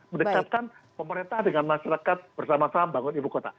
mendekatkan pemerintah dengan masyarakat bersama sama membangun ibu kota